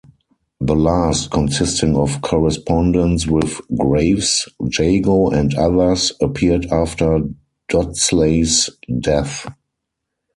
The last, consisting of correspondence with Graves, Jago and others, appeared after Dodsley's death.